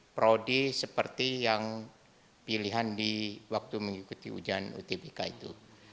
prodi seperti yang pilihan di waktu mengikuti ujian utbk itu